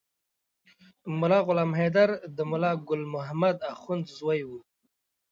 ملا غلام حیدر د ملا ګل محمد اخند زوی و.